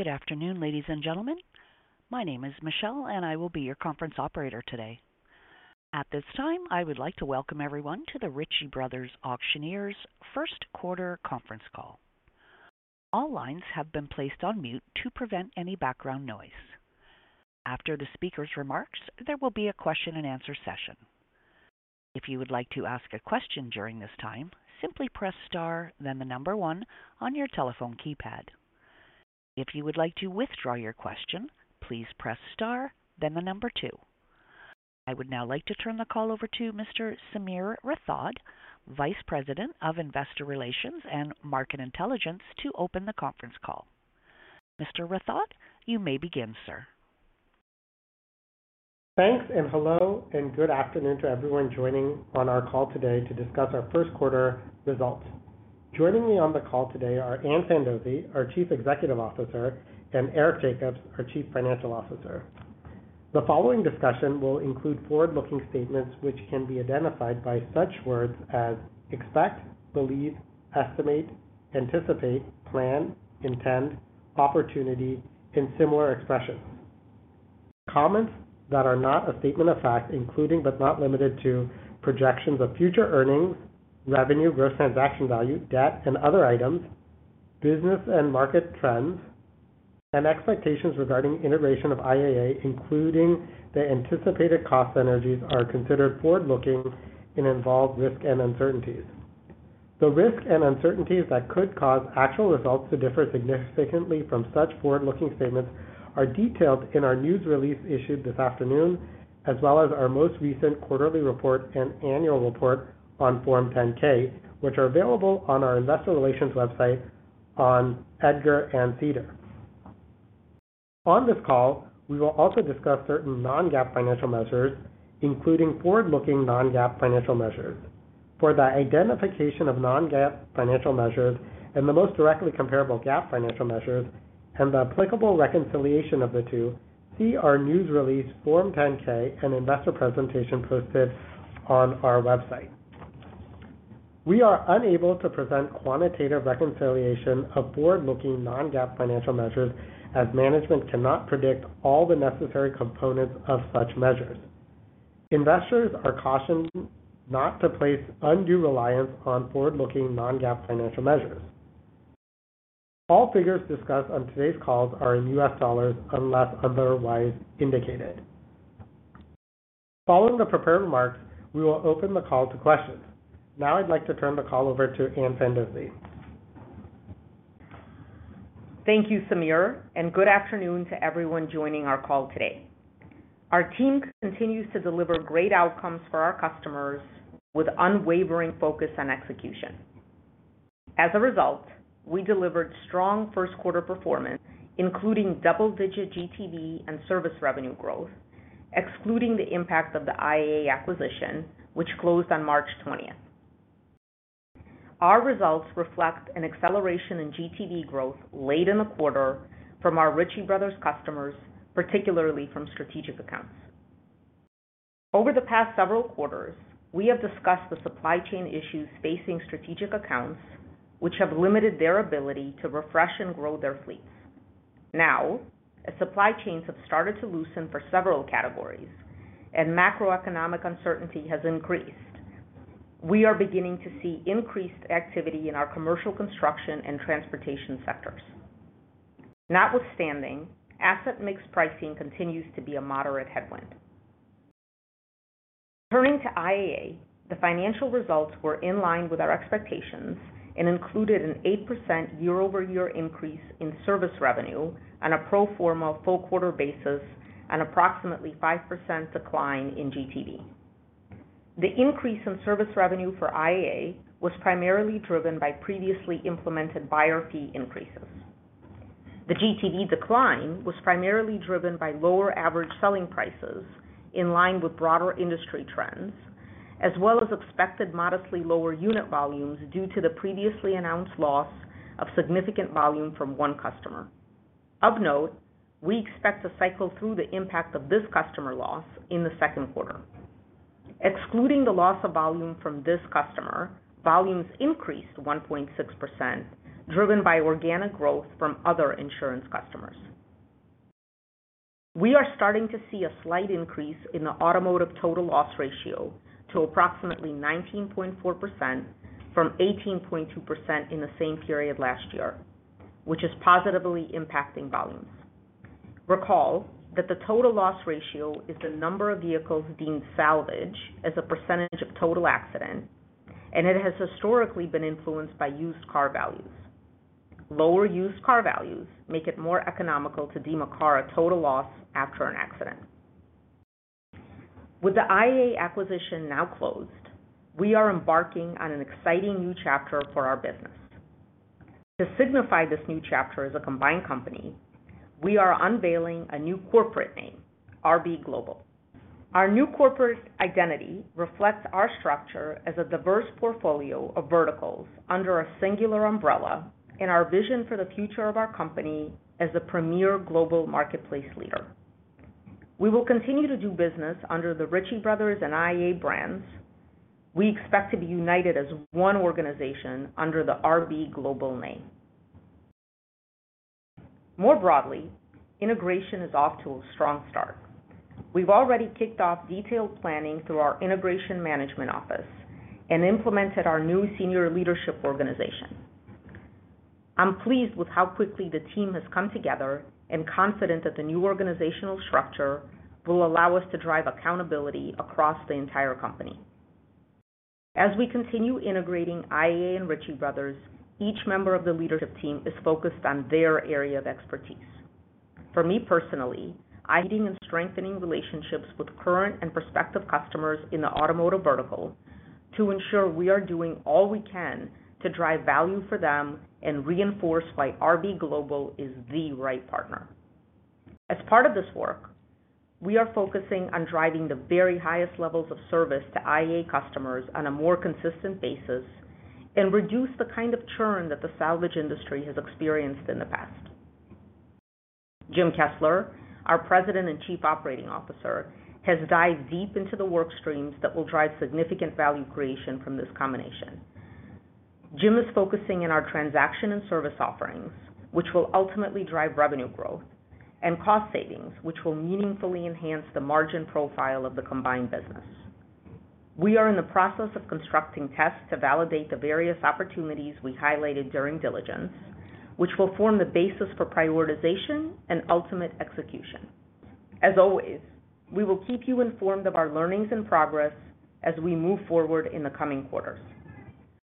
Good afternoon, ladies and gentlemen. My name is Michelle, I will be your conference operator today. At this time, I would like to welcome everyone to the Ritchie Bros. Auctioneers first quarter conference call. All lines have been placed on mute to prevent any background noise. After the speaker's remarks, there will be a question and answer session. If you would like to ask a question during this time, simply press star then the number one on your telephone keypad. If you would like to withdraw your question, please press star then the number two. I would now like to turn the call over to Mr. Sameer Rathod, Vice President of Investor Relations and Market Intelligence, to open the conference call. Mr. Rathod, you may begin, sir. Thanks, and hello, and good afternoon to everyone joining on our call today to discuss our first quarter results. Joining me on the call today are Ann Fandozzi, our Chief Executive Officer, and Eric Jacobs, our Chief Financial Officer. The following discussion will include forward-looking statements which can be identified by such words as expect, believe, estimate, anticipate, plan, intend, opportunity, and similar expressions. Comments that are not a statement of fact, including but not limited to, projections of future earnings, revenue, gross transaction value, debt, and other items, business and market trends, and expectations regarding integration of IAA, including the anticipated cost synergies are considered forward-looking and involve risk and uncertainties. The risks and uncertainties that could cause actual results to differ significantly from such forward-looking statements are detailed in our news release issued this afternoon, as well as our most recent quarterly report and annual report on Form 10-K, which are available on our investor relations website on EDGAR and SEDAR. On this call, we will also discuss certain non-GAAP financial measures, including forward-looking non-GAAP financial measures. For the identification of non-GAAP financial measures and the most directly comparable GAAP financial measures and the applicable reconciliation of the two, see our news release Form 10-K and investor presentation posted on our website. We are unable to present quantitative reconciliation of forward-looking non-GAAP financial measures as management cannot predict all the necessary components of such measures. Investors are cautioned not to place undue reliance on forward-looking non-GAAP financial measures. All figures discussed on today's calls are in U.S. dollars unless otherwise indicated. Following the prepared remarks, we will open the call to questions. Now I'd like to turn the call over to Ann Fandozzi. Thank you, Sameer, good afternoon to everyone joining our call today. Our team continues to deliver great outcomes for our customers with unwavering focus on execution. As a result, we delivered strong first quarter performance, including double-digit GTV and service revenue growth, excluding the impact of the IAA acquisition, which closed on March 20th. Our results reflect an acceleration in GTV growth late in the quarter from our Ritchie Bros. customers, particularly from strategic accounts. Over the past several quarters, we have discussed the supply chain issues facing strategic accounts, which have limited their ability to refresh and grow their fleets. As supply chains have started to loosen for several categories and macroeconomic uncertainty has increased, we are beginning to see increased activity in our commercial construction and transportation sectors. Notwithstanding, asset mix pricing continues to be a moderate headwind. Turning to IAA, the financial results were in line with our expectations and included an 8% year-over-year increase in service revenue on a pro forma full quarter basis and approximately 5% decline in GTV. The increase in service revenue for IAA was primarily driven by previously implemented buyer fee increases. The GTV decline was primarily driven by lower average selling prices in line with broader industry trends, as well as expected modestly lower unit volumes due to the previously announced loss of significant volume from one customer. Of note, we expect to cycle through the impact of this customer loss in the second quarter. Excluding the loss of volume from this customer, volumes increased 1.6%, driven by organic growth from other insurance customers. We are starting to see a slight increase in the automotive total loss ratio to approximately 19.4% from 18.2% in the same period last year, which is positively impacting volumes. Recall that the total loss ratio is the number of vehicles deemed salvage as a percentage of total accident, it has historically been influenced by used car values. Lower used car values make it more economical to deem a car a total loss after an accident. With the IAA acquisition now closed, we are embarking on an exciting new chapter for our business. To signify this new chapter as a combined company, we are unveiling a new corporate name, RB Global. Our new corporate identity reflects our structure as a diverse portfolio of verticals under a singular umbrella and our vision for the future of our company as the premier global marketplace leader. We will continue to do business under the Ritchie Bros and IAA brands. We expect to be united as one organization under the RB Global name. More broadly, integration is off to a strong start. We've already kicked off detailed planning through our integration management office and implemented our new senior leadership organization. I'm pleased with how quickly the team has come together and confident that the new organizational structure will allow us to drive accountability across the entire company. As we continue integrating IAA and Ritchie Bros., each member of the leadership team is focused on their area of expertise. For me personally, I'm leading and strengthening relationships with current and prospective customers in the automotive vertical to ensure we are doing all we can to drive value for them and reinforce why RB Global is the right partner. As part of this work, we are focusing on driving the very highest levels of service to IAA customers on a more consistent basis and reduce the kind of churn that the salvage industry has experienced in the past. Jim Kessler, our President and Chief Operating Officer, has dived deep into the work streams that will drive significant value creation from this combination. Jim is focusing in our transaction and service offerings, which will ultimately drive revenue growth and cost savings, which will meaningfully enhance the margin profile of the combined business. We are in the process of constructing tests to validate the various opportunities we highlighted during diligence, which will form the basis for prioritization and ultimate execution. As always, we will keep you informed of our learnings and progress as we move forward in the coming quarters.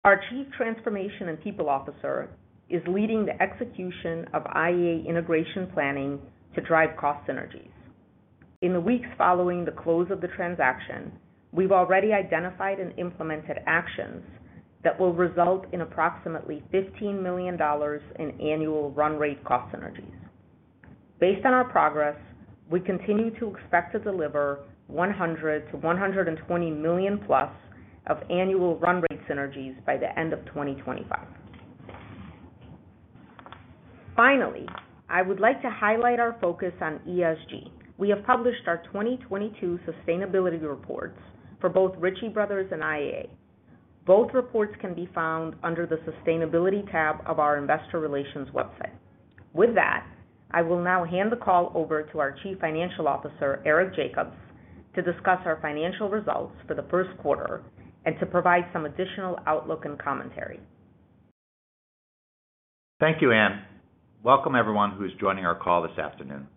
Our Chief Transformation and People Officer is leading the execution of IAA integration planning to drive cost synergies. In the weeks following the close of the transaction, we've already identified and implemented actions that will result in approximately $15 million in annual run rate cost synergies. Based on our progress, we continue to expect to deliver $100 million-$120 million+ of annual run rate synergies by the end of 2025. Finally, I would like to highlight our focus on ESG. We have published our 2022 sustainability reports for both Ritchie Bros. and IAA. Both reports can be found under the Sustainability tab of our investor relations website. With that, I will now hand the call over to our Chief Financial Officer, Eric Jacobs, to discuss our financial results for the first quarter and to provide some additional outlook and commentary. Thank you, Ann. Welcome everyone who is joining our call this afternoon.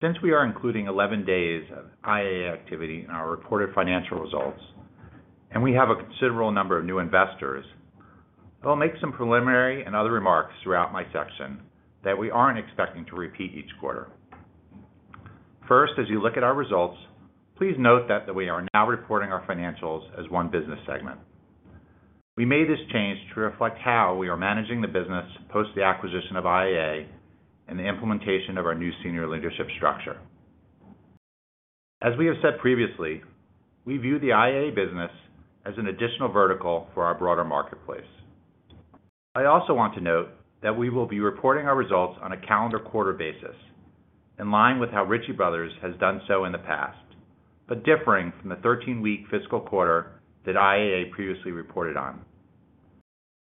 Since we are including 11 days of IAA activity in our reported financial results, and we have a considerable number of new investors, I'll make some preliminary and other remarks throughout my section that we aren't expecting to repeat each quarter. First, as you look at our results, please note that we are now reporting our financials as one business segment. We made this change to reflect how we are managing the business post the acquisition of IAA and the implementation of our new senior leadership structure. As we have said previously, we view the IAA business as an additional vertical for our broader marketplace. I also want to note that we will be reporting our results on a calendar quarter basis, in line with how Ritchie Bros. has done so in the past, but differing from the 13-week fiscal quarter that IAA previously reported on.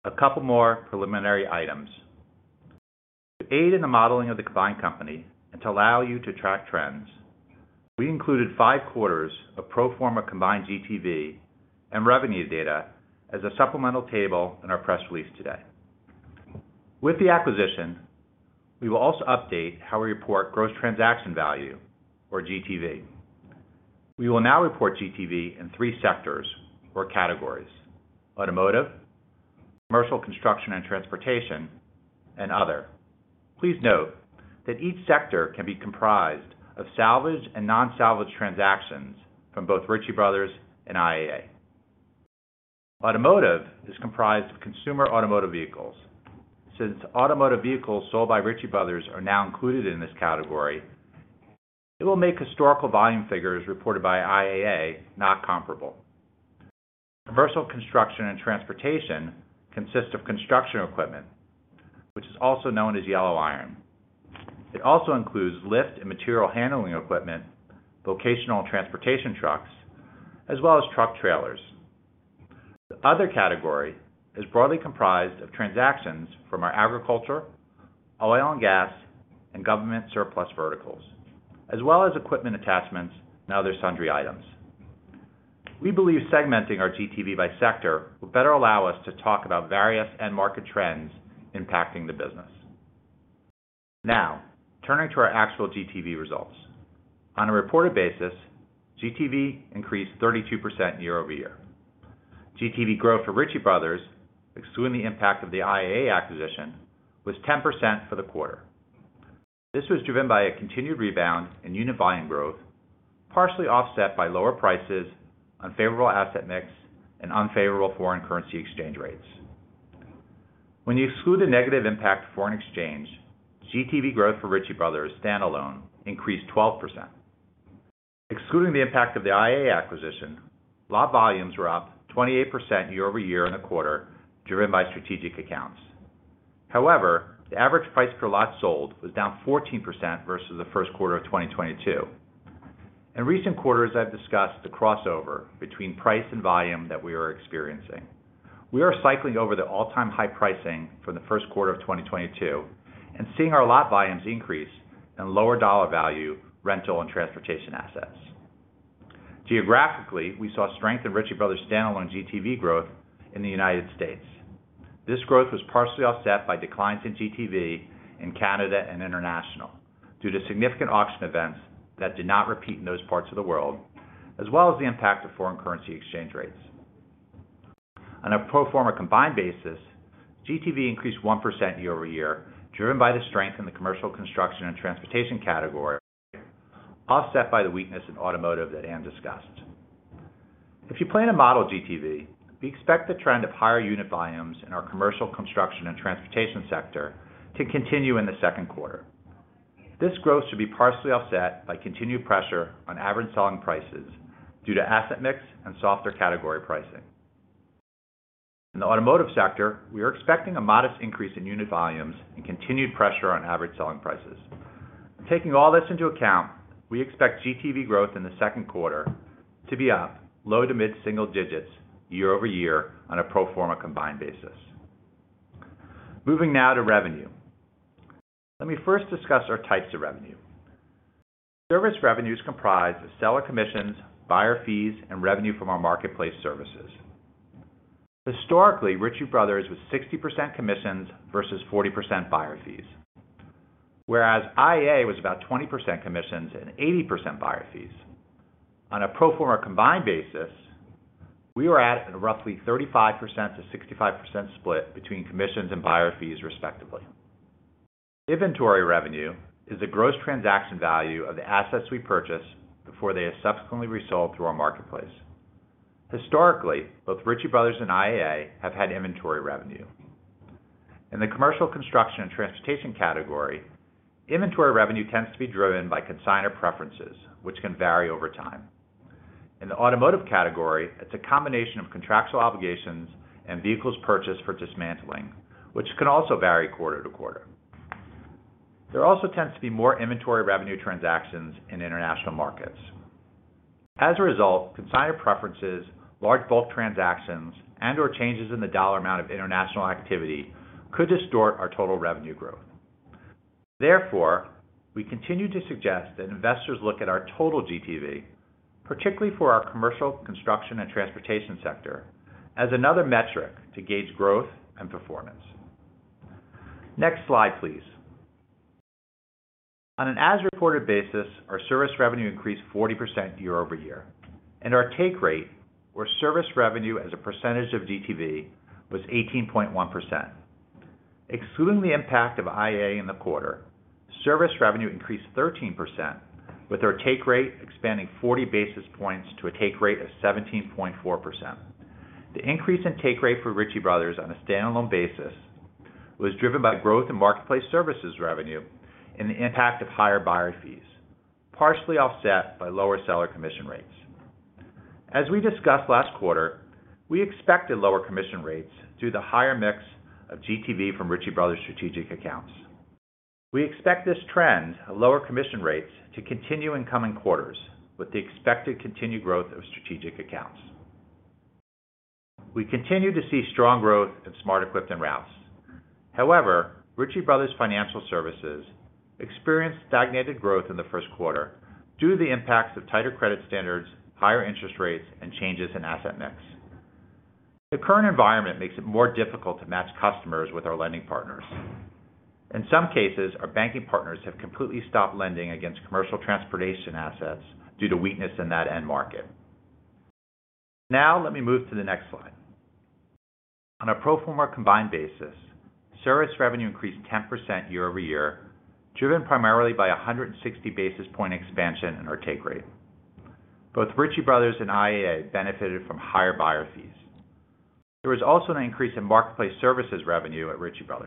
A couple more preliminary items. To aid in the modeling of the combined company and to allow you to track trends, we included 5 quarters of pro forma combined GTV and revenue data as a supplemental table in our press release today. With the acquisition, we will also update how we report gross transaction value or GTV. We will now report GTV in 3 sectors or categories: automotive, commercial construction and transportation, and other. Please note that each sector can be comprised of salvage and non-salvage transactions from both Ritchie Bros and IAA. Automotive is comprised of consumer automotive vehicles. Since automotive vehicles sold by Ritchie Bros. are now included in this category, it will make historical volume figures reported by IAA not comparable. Commercial construction and transportation consists of construction equipment, which is also known as yellow iron. It also includes lift and material handling equipment, vocational transportation trucks, as well as truck trailers. The other category is broadly comprised of transactions from our agriculture, oil and gas, and government surplus verticals, as well as equipment attachments and other sundry items. We believe segmenting our GTV by sector will better allow us to talk about various end market trends impacting the business. Turning to our actual GTV results. On a reported basis, GTV increased 32% year-over-year. GTV growth for Ritchie Bros., excluding the impact of the IAA acquisition, was 10% for the quarter. This was driven by a continued rebound in unit volume growth, partially offset by lower prices, unfavorable asset mix, and unfavorable foreign currency exchange rates. When you exclude the negative impact of foreign exchange, GTV growth for Ritchie Bros. standalone increased 12%. Excluding the impact of the IAA acquisition, lot volumes were up 28% year-over-year in the quarter, driven by strategic accounts. The average price per lot sold was down 14% versus the first quarter of 2022. In recent quarters, I've discussed the crossover between price and volume that we are experiencing. We are cycling over the all-time high pricing for the first quarter of 2022 and seeing our lot volumes increase in lower dollar value rental and transportation assets. Geographically, we saw strength in Ritchie Bros. standalone GTV growth in the United States. This growth was partially offset by declines in GTV in Canada and international due to significant auction events that did not repeat in those parts of the world, as well as the impact of foreign currency exchange rates. On a pro forma combined basis, GTV increased 1% year-over-year, driven by the strength in the commercial construction and transportation category, offset by the weakness in automotive that Ann discussed. If you plan to model GTV, we expect the trend of higher unit volumes in our commercial construction and transportation sector to continue in the second quarter. This growth should be partially offset by continued pressure on average selling prices due to asset mix and softer category pricing. In the automotive sector, we are expecting a modest increase in unit volumes and continued pressure on average selling prices. Taking all this into account, we expect GTV growth in the second quarter to be up low to mid-single digits year-over-year on a pro forma combined basis. Moving now to revenue. Let me first discuss our types of revenue. Service revenues comprise of seller commissions, buyer fees, and revenue from our marketplace services. Historically, Ritchie Bros was 60% commissions versus 40% buyer fees, whereas IAA was about 20% commissions and 80% buyer fees. On a pro forma combined basis, we were at a roughly 35%-65% split between commissions and buyer fees, respectively. Inventory revenue is the Gross Transaction Value of the assets we purchase before they are subsequently resold through our marketplace. Historically, both Ritchie Bros and IAA have had inventory revenue. In the commercial construction and transportation category, inventory revenue tends to be driven by consignor preferences, which can vary over time. In the automotive category, it's a combination of contractual obligations and vehicles purchased for dismantling, which can also vary quarter to quarter. There also tends to be more inventory revenue transactions in international markets. As a result, consignor preferences, large bulk transactions, and/or changes in the dollar amount of international activity could distort our total revenue growth. Therefore, we continue to suggest that investors look at our total GTV, particularly for our commercial construction and transportation sector, as another metric to gauge growth and performance. Next slide, please. On an as-reported basis, our service revenue increased 40% year-over-year, and our take rate or service revenue as a percentage of GTV was 18.1%. Excluding the impact of IAA in the quarter, service revenue increased 13% with our take rate expanding 40 basis points to a take rate of 17.4%. The increase in take rate for Ritchie Bros. on a standalone basis was driven by growth in marketplace services revenue and the impact of higher buyer fees, partially offset by lower seller commission rates. As we discussed last quarter, we expected lower commission rates due to the higher mix of GTV from Ritchie Bros. strategic accounts. We expect this trend of lower commission rates to continue in coming quarters with the expected continued growth of strategic accounts. We continue to see strong growth in SmartEquip and Rouse. Ritchie Bros. Financial Services experienced stagnated growth in the first quarter due to the impacts of tighter credit standards, higher interest rates, and changes in asset mix. The current environment makes it more difficult to match customers with our lending partners. In some cases, our banking partners have completely stopped lending against commercial transportation assets due to weakness in that end market. Let me move to the next slide. On a pro forma combined basis, service revenue increased 10% year-over-year, driven primarily by a 160 basis point expansion in our take rate. Both Ritchie Bros. and IAA benefited from higher buyer fees. There was also an increase in marketplace services revenue at Ritchie Bros.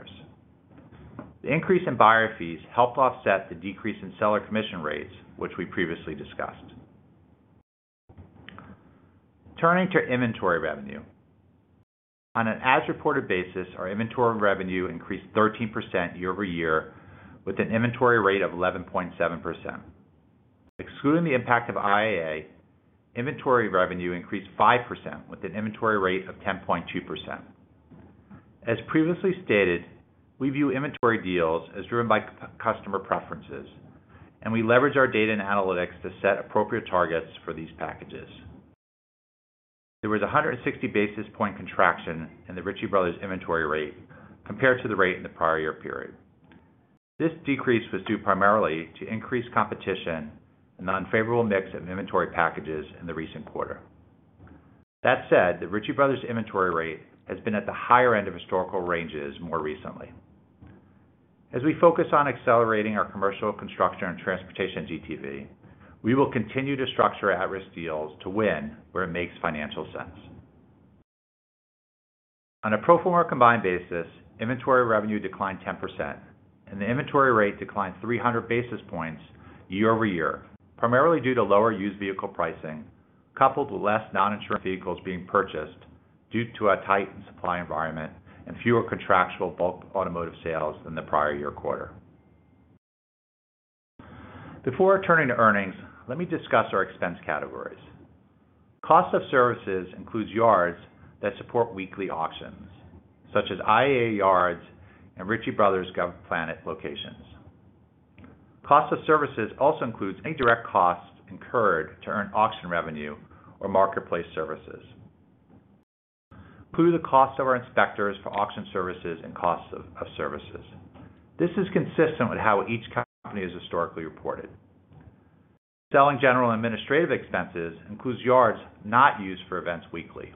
The increase in buyer fees helped offset the decrease in seller commission rates, which we previously discussed. Turning to inventory revenue. On an as-reported basis, our inventory revenue increased 13% year-over-year with an inventory rate of 11.7%. Excluding the impact of IAA, inventory revenue increased 5% with an inventory rate of 10.2%. As previously stated, we view inventory deals as driven by customer preferences, we leverage our data and analytics to set appropriate targets for these packages. There was 160 basis point contraction in the Ritchie Bros. inventory rate compared to the rate in the prior year period. This decrease was due primarily to increased competition and unfavorable mix of inventory packages in the recent quarter. That said, the Ritchie Bros. inventory rate has been at the higher end of historical ranges more recently. As we focus on accelerating our commercial construction and transportation GTV, we will continue to structure at-risk deals to win where it makes financial sense. On a pro forma combined basis, inventory revenue declined 10% and the inventory rate declined 300 basis points year-over-year, primarily due to lower used vehicle pricing, coupled with less non-insurance vehicles being purchased due to a tightened supply environment and fewer contractual bulk automotive sales than the prior year quarter. Before turning to earnings, let me discuss our expense categories. Cost of services includes yards that support weekly auctions, such as IAA yards and Ritchie Bros. GovPlanet locations. Cost of services also includes any direct costs incurred to earn auction revenue or marketplace services, including the cost of our inspectors for auction services and costs of services. This is consistent with how each company has historically reported. Selling general and administrative expenses includes yards not used for events weekly,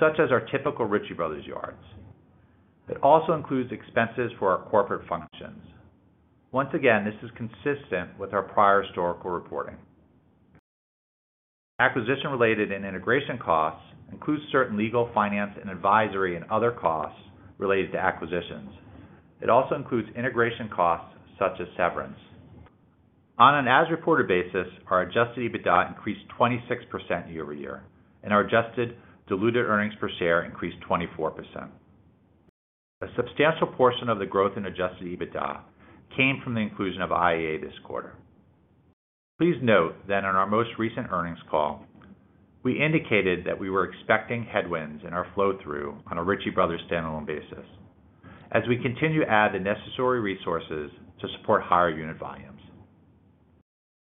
such as our typical Ritchie Bros. yards. It also includes expenses for our corporate functions. Once again, this is consistent with our prior historical reporting. Acquisition-related and integration costs includes certain legal, finance, and advisory and other costs related to acquisitions. It also includes integration costs such as severance. On an as-reported basis, our adjusted EBITDA increased 26% year-over-year, and our adjusted diluted earnings per share increased 24%. A substantial portion of the growth in adjusted EBITDA came from the inclusion of IAA this quarter. Please note that on our most recent earnings call, we indicated that we were expecting headwinds in our flow-through on a Ritchie Bros. standalone basis as we continue to add the necessary resources to support higher unit volumes.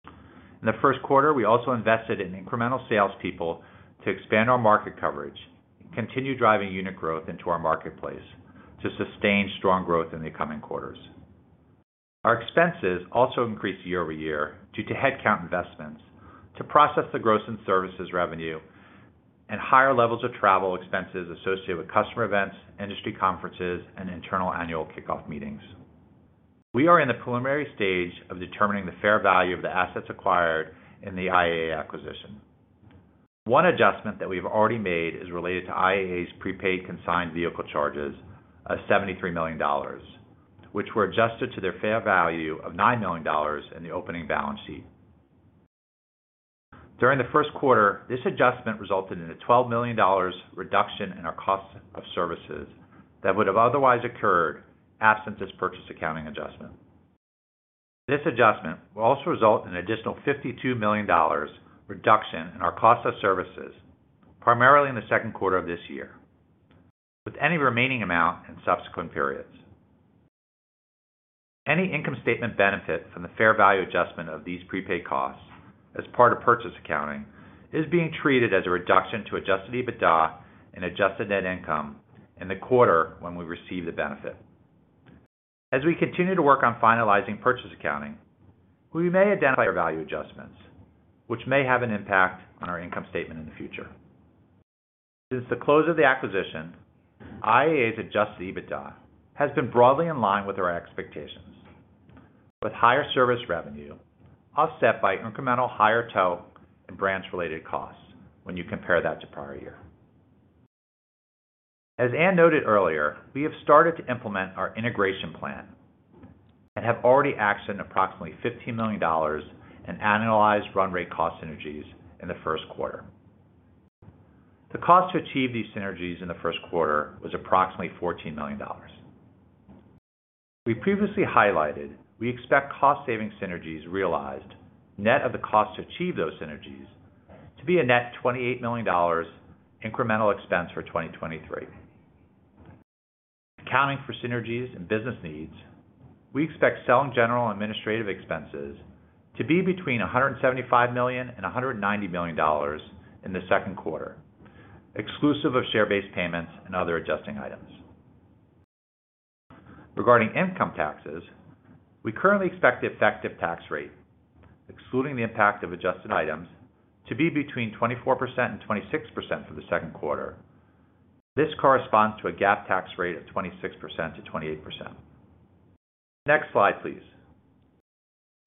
In the first quarter, we also invested in incremental salespeople to expand our market coverage and continue driving unit growth into our marketplace to sustain strong growth in the coming quarters. Our expenses also increased year-over-year due to headcount investments to process the gross and services revenue and higher levels of travel expenses associated with customer events, industry conferences, and internal annual kickoff meetings. We are in the preliminary stage of determining the fair value of the assets acquired in the IAA acquisition. One adjustment that we've already made is related to IAA's prepaid consigned vehicle charges of $73 million, which were adjusted to their fair value of $9 million in the opening balance sheet. During the first quarter, this adjustment resulted in a $12 million reduction in our cost of services that would have otherwise occurred absent this purchase accounting adjustment. This adjustment will also result in an additional $52 million reduction in our cost of services, primarily in the second quarter of this year, with any remaining amount in subsequent periods. Any income statement benefit from the fair value adjustment of these prepaid costs as part of purchase accounting is being treated as a reduction to adjusted EBITDA and adjusted net income in the quarter when we receive the benefit. As we continue to work on finalizing purchase accounting, we may identify our value adjustments, which may have an impact on our income statement in the future. Since the close of the acquisition, IAA's adjusted EBITDA has been broadly in line with our expectations, with higher service revenue offset by incremental higher tow and branch-related costs when you compare that to prior year. As Ann noted earlier, we have started to implement our integration plan and have already actioned approximately $15 million in annualized run rate cost synergies in the first quarter. The cost to achieve these synergies in the first quarter was approximately $14 million. We previously highlighted we expect cost-saving synergies realized, net of the cost to achieve those synergies, to be a net $28 million incremental expense for 2023. Accounting for synergies and business needs, we expect selling general and administrative expenses to be between $175 million and $190 million in the second quarter, exclusive of share-based payments and other adjusting items. Regarding income taxes, we currently expect the effective tax rate, excluding the impact of adjusted items, to be between 24% and 26% for the second quarter. This corresponds to a GAAP tax rate of 26%-28%. Next slide, please.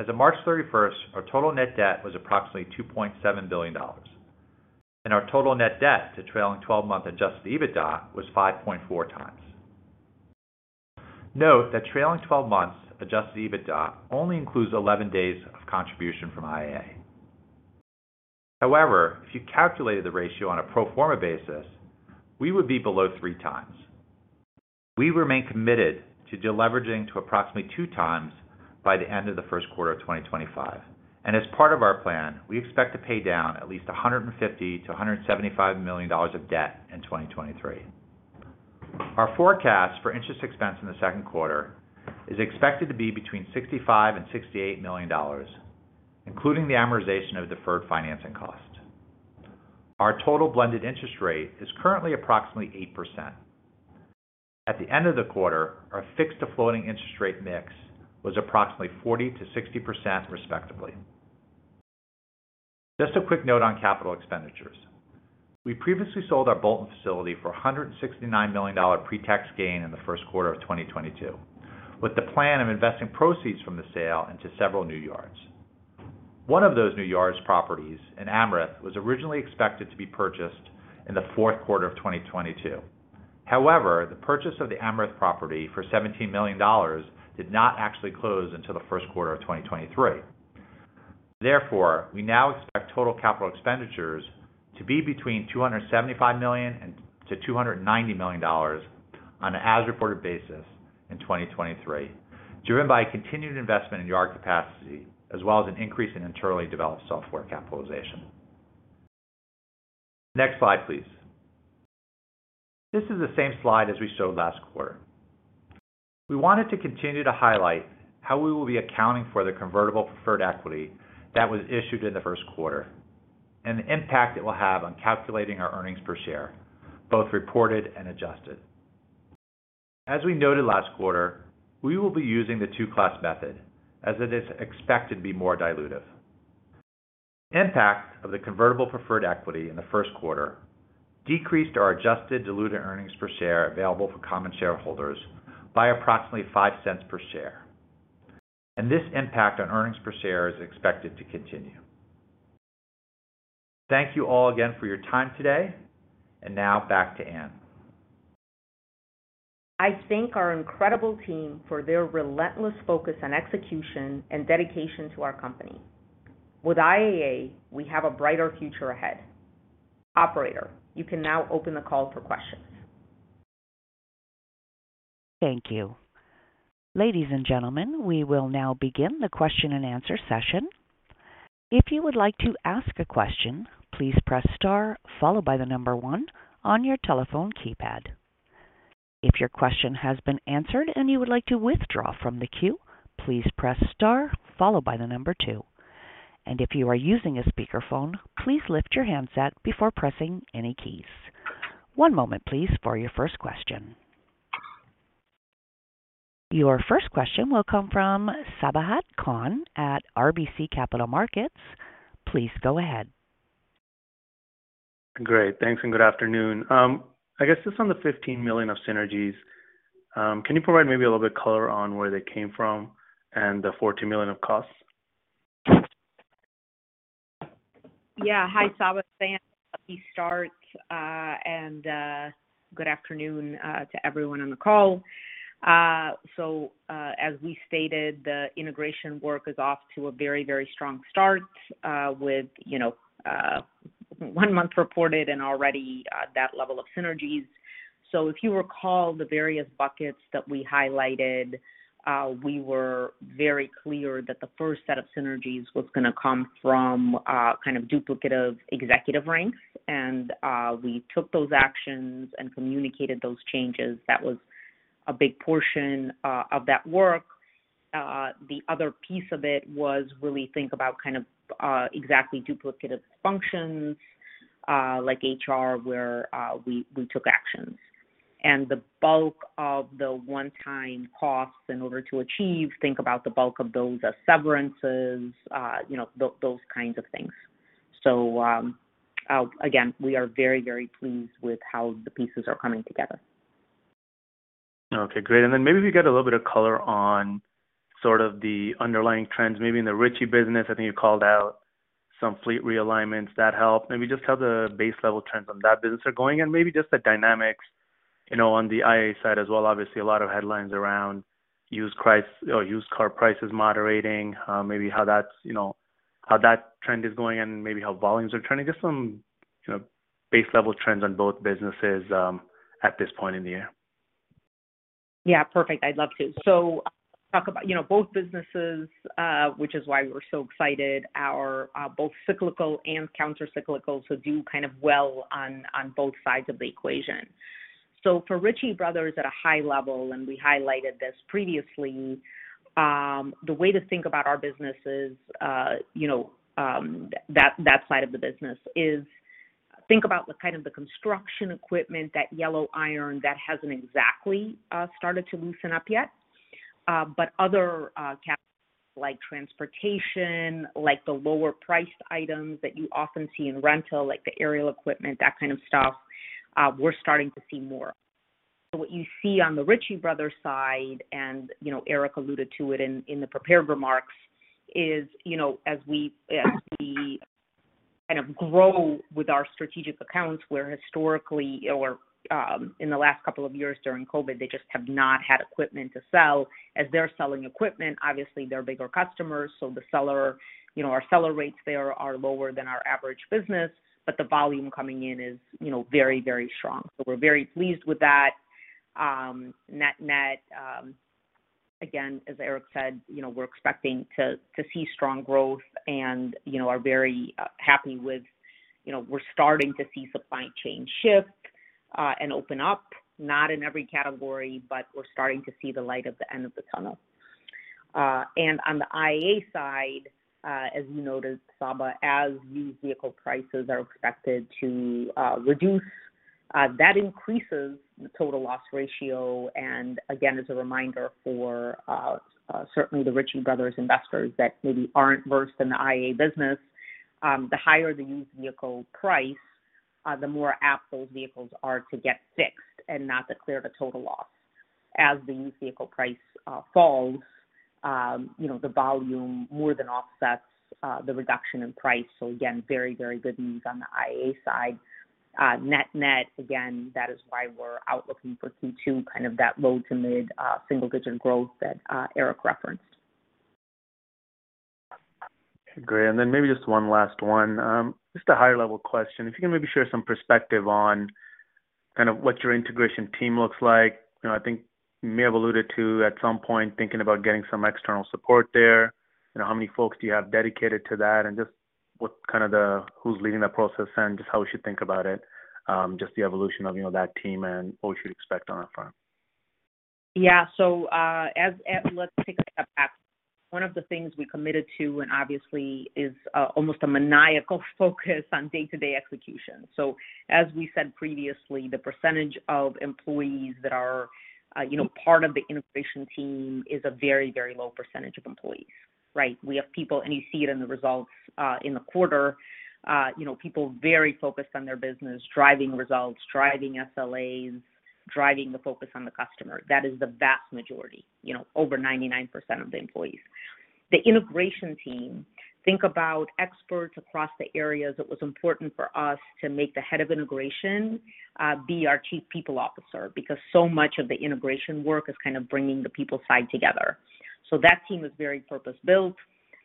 As of March 31st, our total net debt was approximately $2.7 billion, and our total net debt to trailing 12-month adjusted EBITDA was 5.4 times. Note that trailing 12 months adjusted EBITDA only includes 11 days of contribution from IAA. However, if you calculated the ratio on a pro forma basis, we would be below three times. We remain committed to deleveraging to approximately 2 times by the end of the first quarter of 2025. As part of our plan, we expect to pay down at least $150 million-$175 million of debt in 2023. Our forecast for interest expense in the second quarter is expected to be between $65 million-$68 million, including the amortization of deferred financing costs. Our total blended interest rate is currently approximately 8%. At the end of the quarter, our fixed-to-floating interest rate mix was approximately 40%-60% respectively. A quick note on capital expenditures. We previously sold our Bolton facility for a $169 million pre-tax gain in the first quarter of 2022, with the plan of investing proceeds from the sale into several new yards. One of those new yards properties in Amerith was originally expected to be purchased in the fourth quarter of 2022. The purchase of the Amerith property for $17 million did not actually close until the first quarter of 2023. Therefore, we now expect total capital expenditures to be between $275 million and to $290 million on an as-reported basis in 2023, driven by continued investment in yard capacity as well as an increase in internally developed software capitalization. Next slide, please. This is the same slide as we showed last quarter. We wanted to continue to highlight how we will be accounting for the convertible preferred equity that was issued in the first quarter and the impact it will have on calculating our earnings per share, both reported and adjusted. As we noted last quarter, we will be using the two-class method as it is expected to be more dilutive. Impact of the convertible preferred equity in the first quarter decreased our adjusted diluted earnings per share available for common shareholders by approximately $0.05 per share. This impact on earnings per share is expected to continue. Thank you all again for your time today. Now back to Ann. I thank our incredible team for their relentless focus on execution and dedication to our company. With IAA, we have a brighter future ahead. Operator, you can now open the call for questions. Thank you. Ladies and gentlemen, we will now begin the question and answer session. If you would like to ask a question, please press star followed by one on your telephone keypad. If your question has been answered and you would like to withdraw from the queue, please press star followed by two. If you are using a speakerphone, please lift your handset before pressing any keys. One moment please for your first question. Your first question will come from Sabahat Khan at RBC Capital Markets. Please go ahead. Great. Thanks, and good afternoon. I guess just on the $15 million of synergies, can you provide maybe a little bit color on where they came from and the $14 million of costs? Yeah. Hi, Sabahat. It's Ann. A happy start, and good afternoon to everyone on the call. As we stated, the integration work is off to a very, very strong start, with, you know, one month reported and already that level of synergies. If you recall the various buckets that we highlighted, we were very clear that the first set of synergies was gonna come from kind of duplicative executive ranks. We took those actions and communicated those changes. That was a big portion of that work. The other piece of it was really think about kind of exactly duplicative functions, like HR, where, we took actions. The bulk of the one-time costs in order to achieve, think about the bulk of those as severances, you know, those kinds of things. Again, we are very, very pleased with how the pieces are coming together. Okay, great. Then maybe we get a little bit of color on sort of the underlying trends, maybe in the Ritchie Bros. business. I think you called out some fleet realignments that help. Maybe just how the base level trends on that business are going and maybe just the dynamics, you know, on the IAA side as well. Obviously, a lot of headlines around used car prices moderating, maybe how that's, you know, how that trend is going and maybe how volumes are trending. Just some, you know, base level trends on both businesses at this point in the year. Yeah, perfect. I'd love to. Talk about, you know, both businesses, which is why we're so excited, are both cyclical and countercyclical, do kind of well on both sides of the equation. For Ritchie Bros. at a high level, and we highlighted this previously, the way to think about our businesses, you know, that side of the business is think about the kind of the construction equipment, that yellow iron that hasn't exactly started to loosen up yet. But other, like transportation, like the lower priced items that you often see in rental, like the aerial equipment, that kind of stuff, we're starting to see more. What you see on the Ritchie Bros. side, and, you know Eric alluded to it in the prepared remarks, is, you know, as we kind of grow with our strategic accounts, where historically or in the last couple of years during COVID, they just have not had equipment to sell. As they're selling equipment, obviously they're bigger customers, so the seller, you know, our seller rates there are lower than our average business, but the volume coming in is, you know, very strong. We're very pleased with that. Net, net, again, as Eric said, you know, we're expecting to see strong growth and, you know, are very happy with, you know, we're starting to see supply chain shift and open up, not in every category, but we're starting to see the light at the end of the tunnel. On the IA side, as you noted, Saba, as used vehicle prices are expected to reduce, that increases the total loss ratio. Again, as a reminder for certainly the Ritchie Bros. investors that maybe aren't versed in the IAA business, the higher the used vehicle price, the more apt those vehicles are to get fixed and not to clear the total loss. As the used vehicle price falls, you know, the volume more than offsets the reduction in price. Again, very, very good news on the IAA side. Net-net, again, that is why we're out looking for Q2, kind of that low to mid single-digit growth that Eric referenced. Great. Then maybe just one last one. just a higher level question. If you can maybe share some perspective on kind of what your integration team looks like. You know, I think you may have alluded to at some point, thinking about getting some external support there. You know, how many folks do you have dedicated to that? Just what kind of who's leading that process and just how we should think about it, just the evolution of, you know, that team and what we should expect on that front. Let's take a step back. One of the things we committed to, and obviously is almost a maniacal focus on day-to-day execution. As we said previously, the percentage of employees that are, you know, part of the integration team is a very, very low percentage of employees. We have people, and you see it in the results, in the quarter, you know, people very focused on their business, driving results, driving SLAs, driving the focus on the customer. That is the vast majority, you know, over 99% of the employees. The integration team, think about experts across the areas. It was important for us to make the head of integration, be our chief people officer, because so much of the integration work is kind of bringing the people side together. That team is very purpose-built.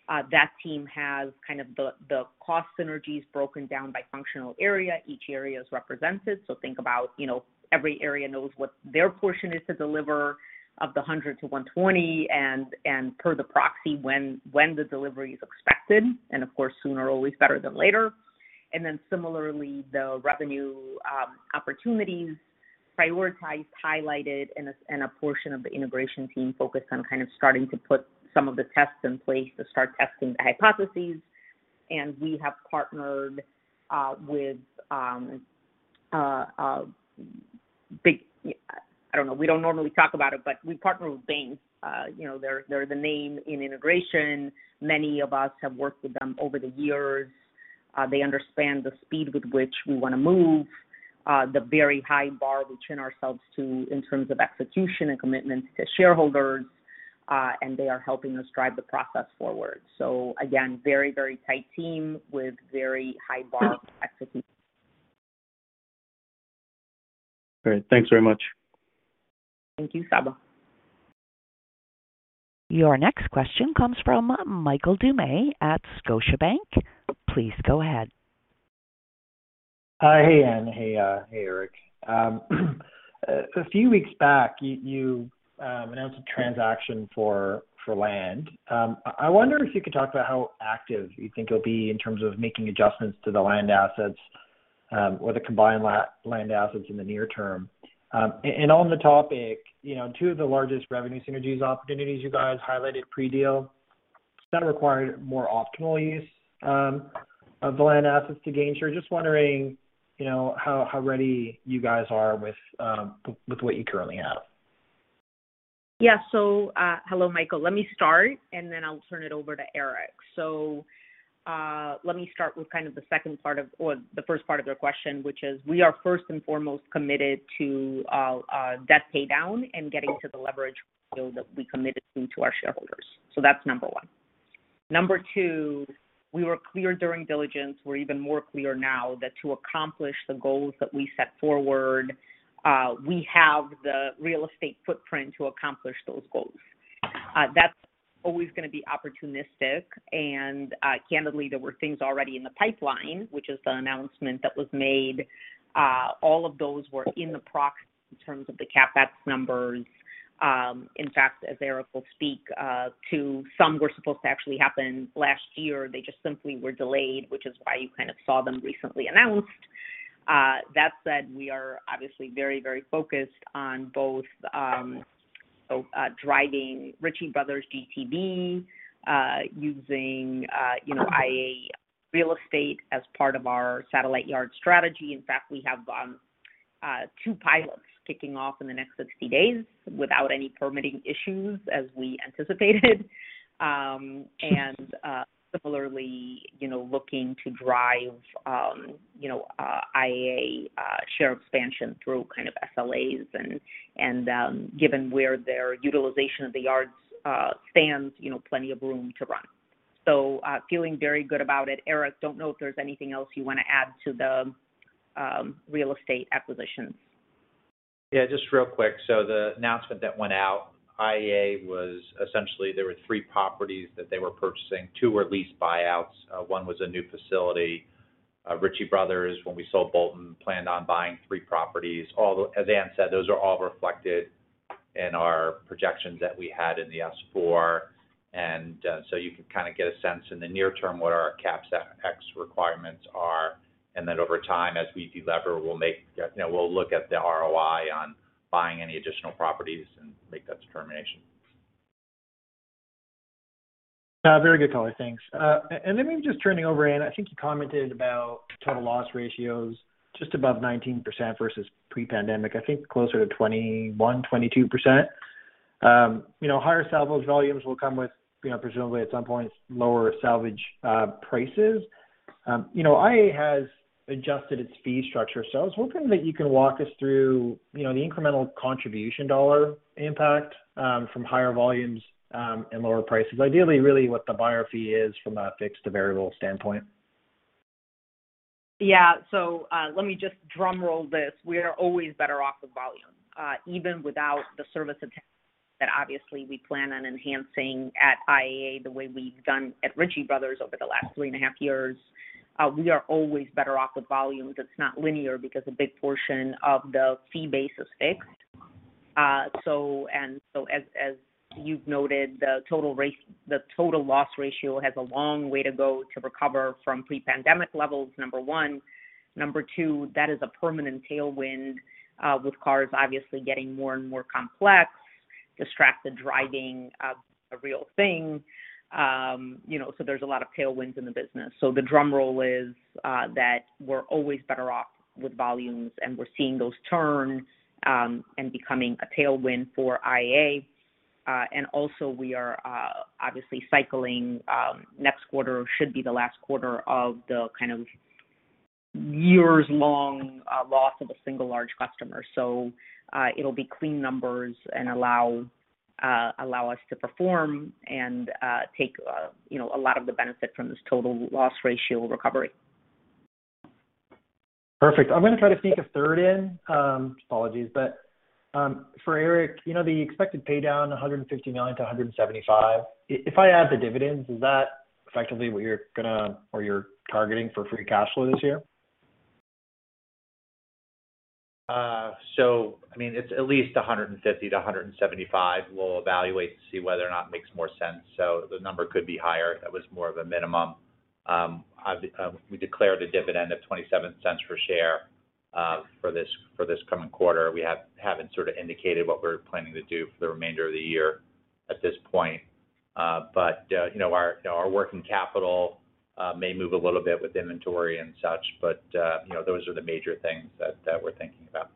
That team has kind of the cost synergies broken down by functional area. Each area is represented. Think about, you know, every area knows what their portion is to deliver of the 100-120, and per the proxy when the delivery is expected. Of course, sooner always better than later. Similarly, the revenue opportunities prioritized, highlighted, and a portion of the integration team focused on kind of starting to put some of the tests in place to start testing the hypotheses. We have partnered with Bain. you know, they're the name in integration. Many of us have worked with them over the years. They understand the speed with which we wanna move, the very high bar we chin ourselves to in terms of execution and commitments to shareholders, and they are helping us drive the process forward. Again, very, very tight team with very high bar of execution. Great. Thanks very much. Thank you, Saba. Your next question comes from Michael Doumet at Scotiabank. Please go ahead. Hi. Hey, Ann. Hey, Eric. A few weeks back, you announced a transaction for land. I wonder if you could talk about how active you think it'll be in terms of making adjustments to the land assets, or the combined land assets in the near term. On the topic, you know, two of the largest revenue synergies opportunities you guys highlighted pre-deal kind of required more optimal use of the land assets to gain share. Just wondering, you know, how ready you guys are with what you currently have. Hello, Michael. Let me start, and then I'll turn it over to Eric. Let me start with kind of the second part of or the first part of your question, which is we are first and foremost committed to debt pay down and getting to the leverage that we committed to our shareholders. That's number one. Number two, we were clear during diligence, we're even more clear now that to accomplish the goals that we set forward, we have the real estate footprint to accomplish those goals. That's always gonna be opportunistic. Candidly, there were things already in the pipeline, which is the announcement that was made. All of those were in the proxy in terms of the CapEx numbers. In fact, as Eric will speak to some were supposed to actually happen last year. They just simply were delayed, which is why you kind of saw them recently announced. That said, we are obviously very, very focused on both driving Ritchie Bros. GTV, using, you know, IAA real estate as part of our satellite yard strategy. In fact, we have two pilots kicking off in the next 60 days without any permitting issues as we anticipated. Similarly, you know, looking to drive, you know, IAA share expansion through kind of SLAs and given where their utilization of the yards stands, you know, plenty of room to run. Feeling very good about it. Eric, don't know if there's anything else you wanna add to the real estate acquisitions. Yeah, just real quick. The announcement that went out, IAA was essentially there were three properties that they were purchasing. two were lease buyouts. one was a new facility. Ritchie Bros., when we sold Bolton, planned on buying three properties. As Ann said, those are all reflected in our projections that we had in the S-4. You can kind of get a sense in the near term what our CapEx requirements are. Over time, as we de-lever, we'll make, you know, we'll look at the ROI on buying any additional properties and make that determination. Very good color. Thanks. Then maybe just turning over, Anne, I think you commented about total loss ratios just above 19% versus pre-pandemic, I think closer to 21%-22%. You know, higher salvage volumes will come with, you know, presumably at some point, lower salvage prices. You know, IAA has adjusted its fee structure. I was hoping that you can walk us through, you know, the incremental contribution dollar impact from higher volumes and lower prices. Ideally, really what the buyer fee is from a fixed to variable standpoint. Let me just drum roll this. We are always better off with volume, even without the service that obviously we plan on enhancing at IAA the way we've done at Ritchie Bros. over the last three and a half years. We are always better off with volume. That's not linear because a big portion of the fee base is fixed. As you've noted, the total loss ratio has a long way to go to recover from pre-pandemic levels, number one. Number two, that is a permanent tailwind, with cars obviously getting more and more complex, distracted driving, a real thing. You know, there's a lot of tailwinds in the business. The drum roll is that we're always better off with volumes, and we're seeing those turn, and becoming a tailwind for IAA. Also we are obviously cycling, next quarter should be the last quarter of the kind of years-long loss of a single large customer. It'll be clean numbers and allow us to perform and take, you know, a lot of the benefit from this total loss ratio recovery. Perfect. I'm gonna try to sneak a third in, apologies. For Eric, you know, the expected paydown, $150 million-$175 million. If I add the dividends, is that effectively what you're targeting for free cash flow this year? I mean, it's at least $150-$175. We'll evaluate to see whether or not it makes more sense. The number could be higher. That was more of a minimum. I've, we declared a dividend of $0.27 per share for this, for this coming quarter. We haven't sort of indicated what we're planning to do for the remainder of the year at this point. you know, our working capital may move a little bit with inventory and such, you know, those are the major things that we're thinking about.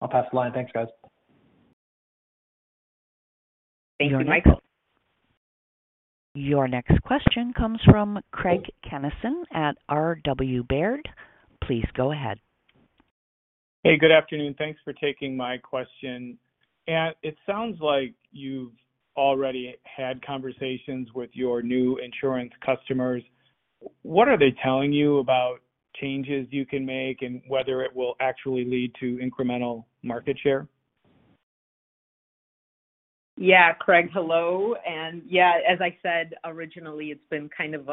I'll pass the line. Thanks, guys. Thank you, Michael. Your next question comes from Craig Kennison at RW Baird. Please go ahead. Hey, good afternoon. Thanks for taking my question. It sounds like you've already had conversations with your new insurance customers. What are they telling you about changes you can make and whether it will actually lead to incremental market share? Craig, hello. Yeah, as I said originally, it's been kind of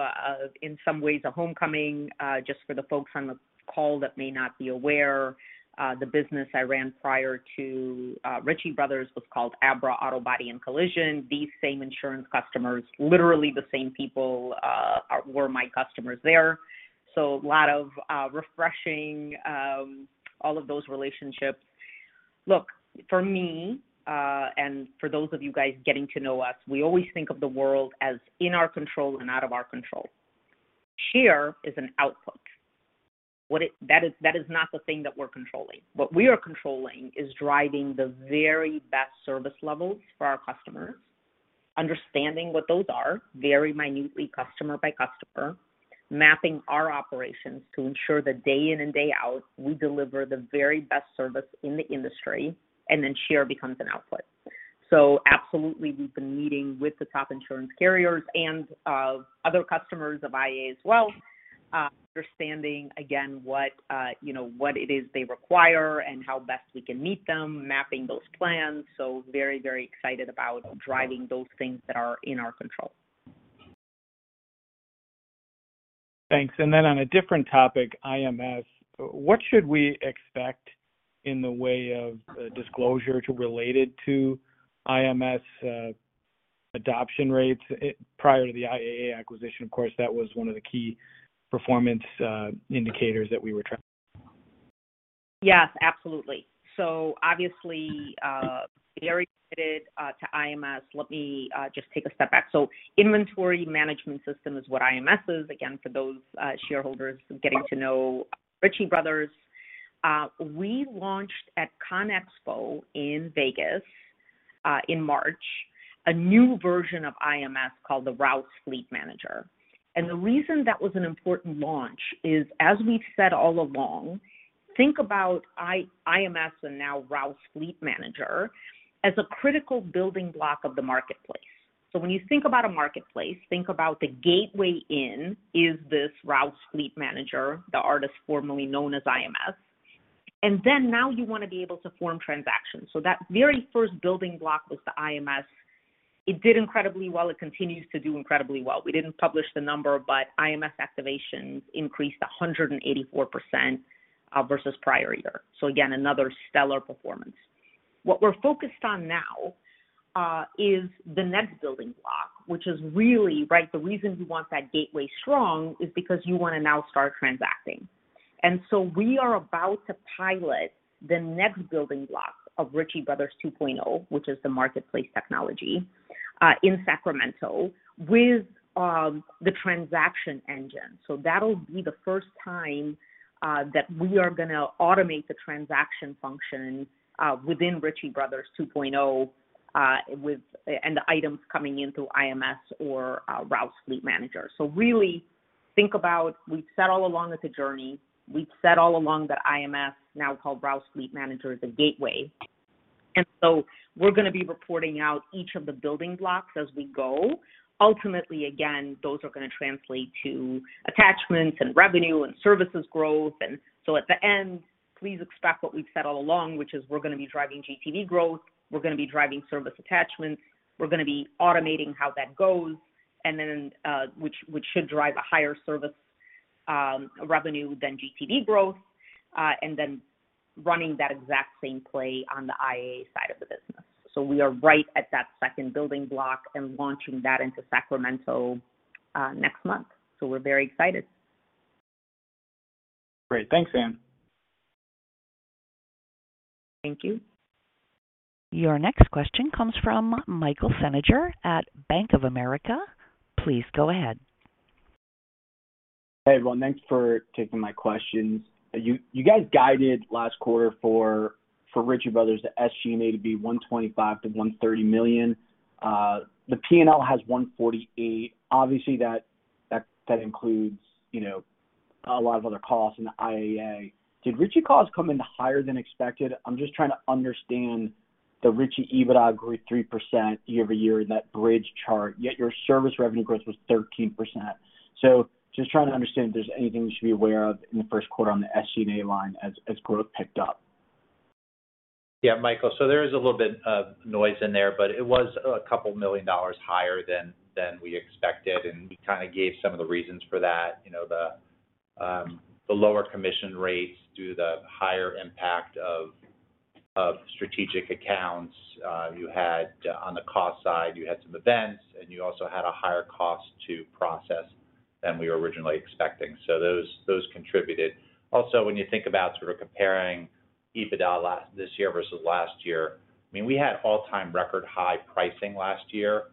in some ways a homecoming. Just for the folks on the call that may not be aware, the business I ran prior to Ritchie Bros. was called ABRA Auto Body & Glass. These same insurance customers, literally the same people, were my customers there. A lot of refreshing all of those relationships. Look, for me, for those of you guys getting to know us, we always think of the world as in our control and out of our control. Share is an output. That is not the thing that we're controlling. What we are controlling is driving the very best service levels for our customers, understanding what those are very minutely customer by customer, mapping our operations to ensure that day in and day out, we deliver the very best service in the industry, and then share becomes an output. Absolutely, we've been meeting with the top insurance carriers and other customers of IAA as well, understanding again what, you know, what it is they require and how best we can meet them, mapping those plans. Very, very excited about driving those things that are in our control. Thanks. On a different topic, IMS. What should we expect in the way of disclosure to relate it to IMS adoption rates? Prior to the IAA acquisition, of course, that was one of the key performance indicators that we were tracking. Yes, absolutely. Obviously, very committed to IMS. Let me just take a step back. Inventory Management System is what IMS is. Again, for those shareholders getting to know Ritchie Bros. We launched at Conexpo in Vegas in March, a new version of IMS called the Rouse Fleet Manager. The reason that was an important launch is, as we've said all along, think about IMS and now Rouse Fleet Manager as a critical building block of the marketplace. When you think about a marketplace, think about the gateway in is this Rouse Fleet Manager, the artist formerly known as IMS. Now you want to be able to form transactions. That very first building block was the IMS. It did incredibly well. It continues to do incredibly well. We didn't publish the number, IMS activations increased 184% versus prior year. Again, another stellar performance. What we're focused on now is the next building block, which is really, right, the reason you want that gateway strong is because you wanna now start transacting. We are about to pilot the next building block of Ritchie Bros. 2.0, which is the marketplace technology. In Sacramento with the transaction engine. That'll be the first time that we are gonna automate the transaction function within Ritchie Bros. 2.0 with and the items coming in through IMS or Rouse Fleet Manager. Really think about we've said all along it's a journey. We've said all along that IMS, now called Rouse Fleet Manager, is a gateway. We're gonna be reporting out each of the building blocks as we go. Ultimately, again, those are gonna translate to attachments and revenue and services growth. At the end, please expect what we've said all along, which is we're gonna be driving GTV growth, we're gonna be driving service attachments, we're gonna be automating how that goes, and then, which should drive a higher service revenue than GTV growth, and then running that exact same play on the IAA side of the business. We are right at that second building block and launching that into Sacramento next month. We're very excited. Great. Thanks, Ann. Thank you. Your next question comes from Michael Feniger at Bank of America. Please go ahead. Hey, everyone. Thanks for taking my questions. You guys guided last quarter for Ritchie Bros., the SG&A to be $125 million-$130 million. The P&L has $148. Obviously that includes, you know, a lot of other costs in the IAA. Did Ritchie costs come in higher than expected? I'm just trying to understand the Ritchie EBITDA grew 3% year-over-year in that bridge chart, yet your service revenue growth was 13%. Just trying to understand if there's anything we should be aware of in the first quarter on the SG&A line as growth picked up. Michael, so there is a little bit of noise in there, but it was a couple of million dollars higher than we expected, and we kinda gave some of the reasons for that. You know, the lower commission rates due to the higher impact of strategic accounts. You had, on the cost side, you had some events, and you also had a higher cost to process than we were originally expecting. Those contributed. Also, when you think about sort of comparing EBITDA this year versus last year, I mean, we had all-time record high pricing last year,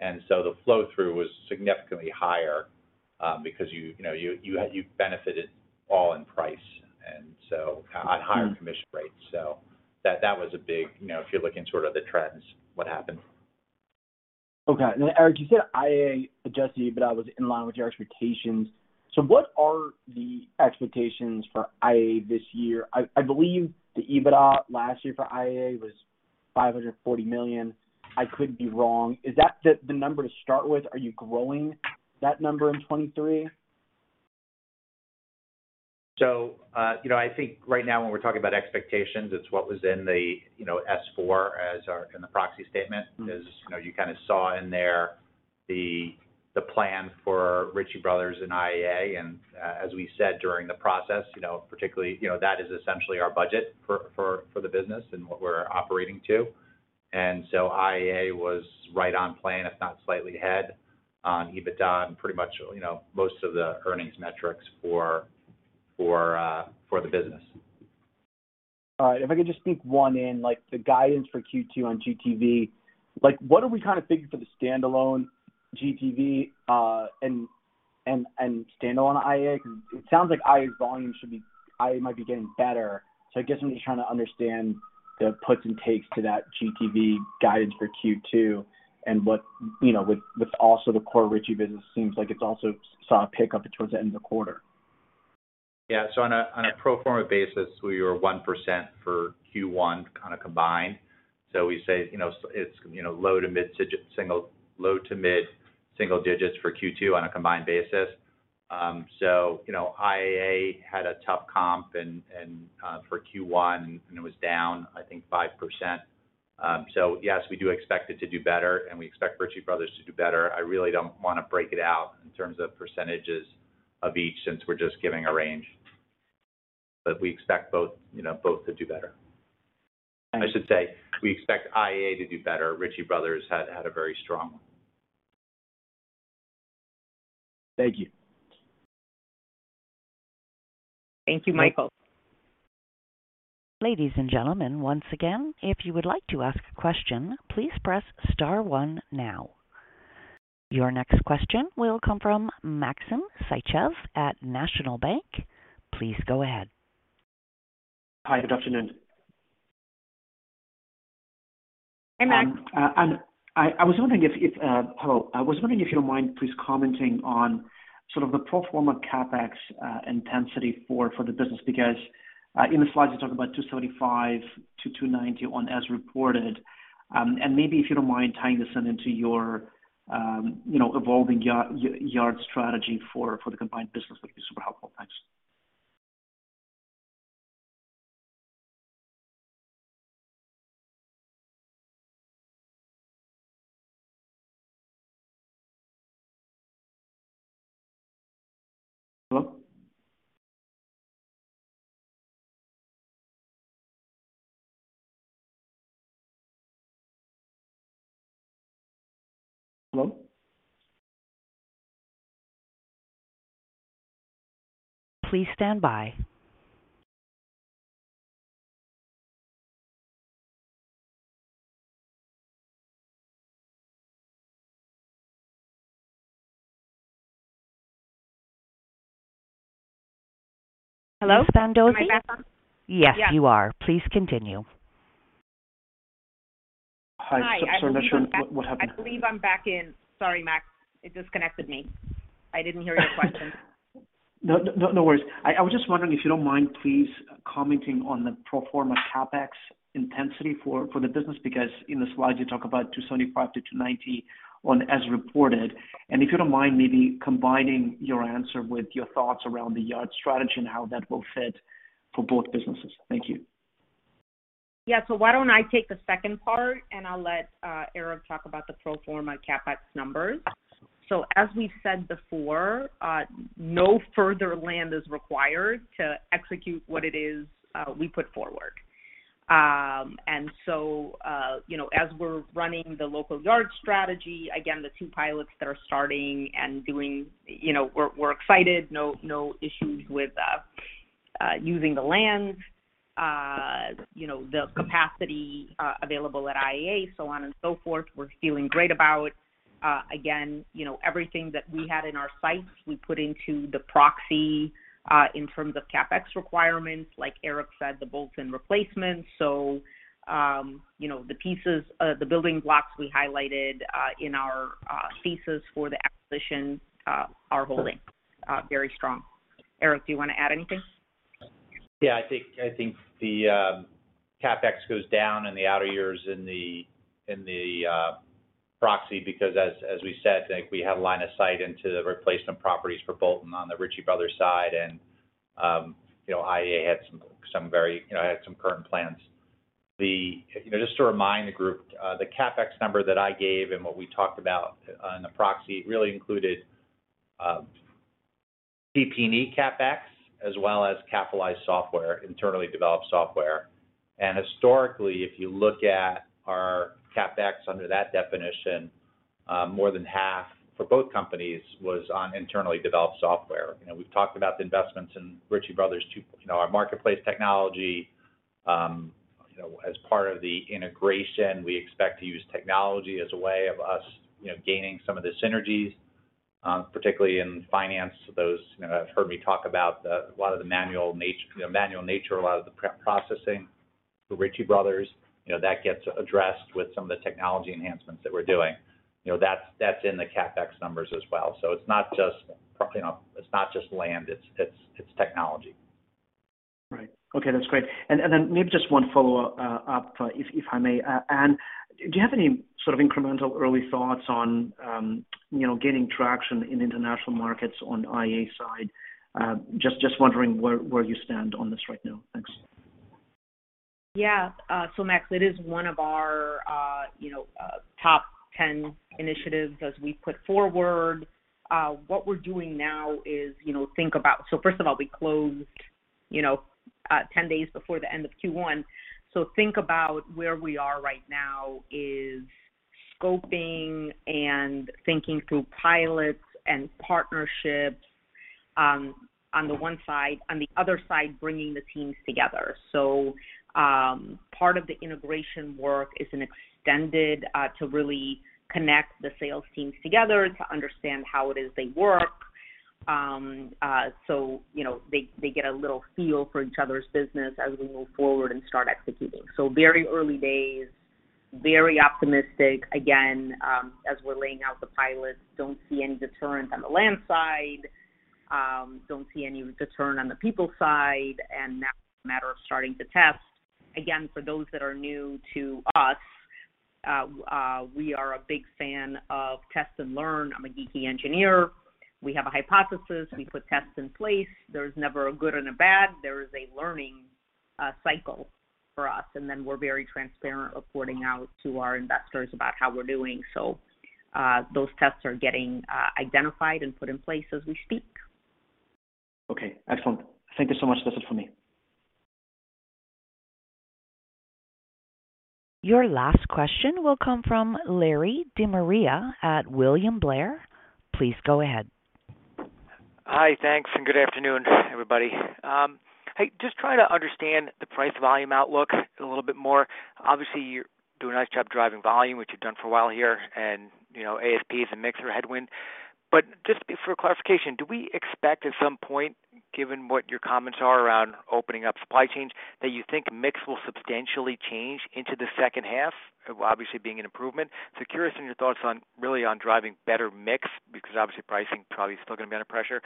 the flow-through was significantly higher, because you know, you benefited all in price, on higher commission rates. That was a big, you know, if you're looking sort of the trends, what happened. Okay. Eric, you said IAA adjusted EBITDA was in line with your expectations. What are the expectations for IAA this year? I believe the EBITDA last year for IAA was $540 million. I could be wrong. Is that the number to start with? Are you growing that number in 2023? You know, I think right now when we're talking about expectations, it's what was in the, you know, S-4 in the proxy statement. You know, you kind of saw in there the plan for Ritchie Bros. and IAA. As we said during the process, you know, particularly, you know, that is essentially our budget for the business and what we're operating to. IAA was right on plan, if not slightly ahead, on EBITDA and pretty much, you know, most of the earnings metrics for the business. All right. If I could just sneak one in. Like, the guidance for Q2 on GTV, like, what are we kind of thinking for the standalone GTV, and standalone IAA? It sounds like IAA's volume should be IAA might be getting better. I guess I'm just trying to understand the puts and takes to that GTV guidance for Q2 and what, you know, with also the core Ritchie business, seems like it's also saw a pickup towards the end of the quarter? On a pro forma basis, we were 1% for Q1 kind of combined. We say, you know, it's, you know, low to mid single digits for Q2 on a combined basis. You know, IAA had a tough comp and for Q1, and it was down, I think 5%. Yes, we do expect it to do better, and we expect Ritchie Bros. to do better. I really don't wanna break it out in terms of percentages of each, since we're just giving a range. We expect both, you know, both to do better. I should say, we expect IAA to do better. Ritchie Bros. had a very strong one. Thank you. Thank you, Michael. Ladies and gentlemen, once again, if you would like to ask a question, please press star 1 now. Your next question will come from Maxim Sytchev at National Bank. Please go ahead. Hi, good afternoon. Hey, Max. I was wondering if... Hello. I was wondering if you don't mind please commenting on sort of the pro forma CapEx intensity for the business, because in the slides you talk about $275-$290 on as reported. Maybe if you don't mind tying this into your, you know, evolving yard strategy for the combined business, that'd be super helpful. Thanks. Hello? Hello? Please stand by. Hello? Ms. Fandozzi? Am I back on? Yes, you are. Please continue. Hi. Hi. I'm not sure what happened. I believe I'm back in. Sorry, Max. It disconnected me. I didn't hear your question. No, no worries. I was just wondering if you don't mind please commenting on the pro forma CapEx intensity for the business because in the slides you talk about $275-$290 on as reported. If you don't mind maybe combining your answer with your thoughts around the yard strategy and how that will fit for both businesses. Thank you. Yeah. Why don't I take the second part, and I'll let Eric talk about the pro forma CapEx numbers. As we said before, no further land is required to execute what it is we put forward. You know, as we're running the local yard strategy, again, the 2 pilots that are starting and doing, you know. We're excited. No, no issues with using the land, you know, the capacity available at IAA, so on and so forth. We're feeling great about, again, you know, everything that we had in our sites, we put into the proxy, in terms of CapEx requirements, like Eric said, the Bolton replacements. You know, the pieces, the building blocks we highlighted in our thesis for the acquisition, are holding very strong. Eric, do you wanna add anything? Yeah, I think the CapEx goes down in the outer years in the proxy because as we said, like we have line of sight into the replacement properties for Bolton on the Ritchie Bros. side and, you know, IAA had some very, you know, had some current plans. You know, just to remind the group, the CapEx number that I gave and what we talked about on the proxy really included CP&E CapEx as well as capitalized software, internally developed software. Historically, if you look at our CapEx under that definition, more than half for both companies was on internally developed software. You know, we've talked about the investments in Ritchie Bros. too, you know, our marketplace technology. As part of the integration, we expect to use technology as a way of us gaining some of the synergies, particularly in finance. Those have heard me talk about a lot of the manual nature of a lot of the prep processing for Ritchie Bros. That gets addressed with some of the technology enhancements that we're doing. That's in the CapEx numbers as well. It's not just land, it's, it's technology. Right. Okay, that's great. Then maybe just one follow-up, if I may. Anne, do you have any sort of incremental early thoughts on, you know, gaining traction in international markets on IA side? Just wondering where you stand on this right now. Thanks. Yeah. Max, it is one of our, you know, top 10 initiatives as we put forward. What we're doing now is, you know, first of all, we closed, you know, 10 days before the end of Q1. Think about where we are right now is scoping and thinking through pilots and partnerships on the one side. On the other side, bringing the teams together. Part of the integration work is an extended to really connect the sales teams together to understand how it is they work. You know, they get a little feel for each other's business as we move forward and start executing. Very early days, very optimistic. As we're laying out the pilots, don't see any deterrent on the land side, don't see any deterrent on the people side, and now it's a matter of starting to test. For those that are new to us, we are a big fan of test and learn. I'm a geeky engineer. We have a hypothesis. We put tests in place. There's never a good and a bad. There is a learning cycle for us, and then we're very transparent reporting out to our investors about how we're doing. Those tests are getting identified and put in place as we speak. Okay, excellent. Thank you so much. That's it for me. Your last question will come from Larry De Maria at William Blair. Please go ahead. Hi. Thanks. Good afternoon, everybody. Hey, just trying to understand the price volume outlook a little bit more. Obviously, you're doing a nice job driving volume, which you've done for a while here and, you know, ASP is a mixer headwind. Just for clarification, do we expect at some point, given what your comments are around opening up supply chains, that you think mix will substantially change into the second half, obviously being an improvement? Curious on your thoughts on really driving better mix because obviously pricing probably is still gonna be under pressure